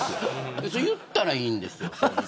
言ったらええんですよ。